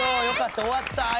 よかった。